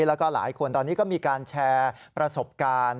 แล้วก็หลายคนตอนนี้ก็มีการแชร์ประสบการณ์